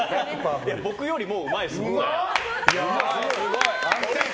僕より、もううまいです。